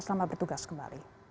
selamat bertugas kembali